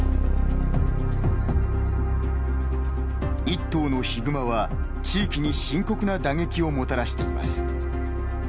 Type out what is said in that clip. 一頭のヒグマは、地域に深刻な打撃をもたらしています。